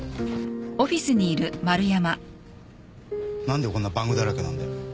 何でこんなバグだらけなんだよ